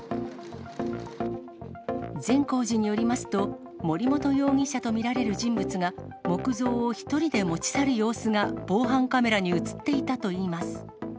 善光寺によりますと、森本容疑者と見られる人物が、木像を１人で持ち去る様子が防犯カメラに写っていたといいます。